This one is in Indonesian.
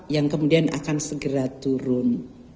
yang kemudian akan segera turun